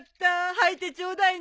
履いてちょうだいね。